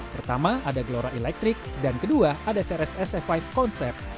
pertama ada glora electric dan kedua ada crs sf lima concept